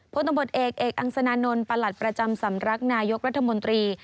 พลตำรวจเอกเอกอังสนานนท์ประหลัดประจำสำนักนายกรัฐมนตรี